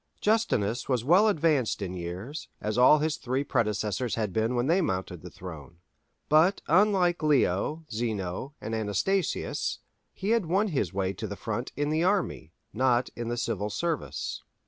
Justinus was well advanced in years, as all his three predecessors had been when they mounted the throne. But unlike Leo, Zeno, and Anastasius, he had won his way to the front in the army, not in the civil service.